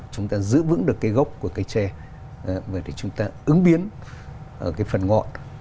chúng ta giữ vững được cái gốc của cái tre để chúng ta ứng biến ở cái phần ngọn